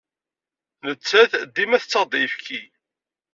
Nettat dima tettaɣ-d ayefki.